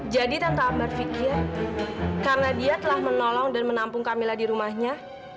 jadi tante ambar pikir karena dia telah menolong dan menampung kamila di rumahnya